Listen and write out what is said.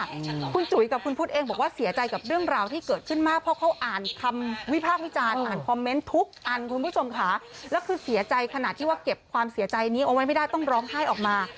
คุณจุ๋ยกับคุณพุทธเองบอกว่าเสียใจกับเรื่องราวที่เกิดขึ้นมากเพราะเขาอ่านคำวิพากษ์วิจารณ์อ่านคอมเมนต์ทุกอันคุณผู้ชมค่ะแล้วคือเสียใจขนาดที่ว่าเก็บความเสียใจนี้เอาไว้ไม่ได้ต้องร้องไห้ออกมา